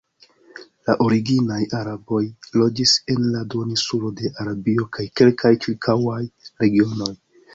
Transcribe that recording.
La originaj araboj loĝis en la duoninsulo de Arabio kaj kelkaj ĉirkaŭaj regionoj.